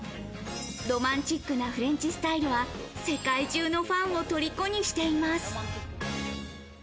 ロマンチックなフレンチスタイルは世界中のファンを虜にしています。